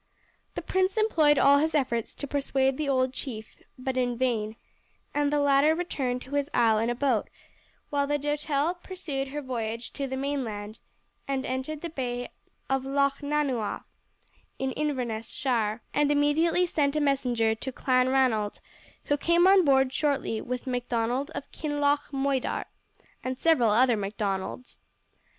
The prince employed all his efforts to persuade the old chief, but in vain, and the latter returned to his isle in a boat, while the Doutelle pursued her voyage to the mainland and entered the Bay of Lochnanuagh, in Inverness shire, and immediately sent a messenger to Clanranald, who came on board shortly with Macdonald of Kinloch Moidart, and several other Macdonalds.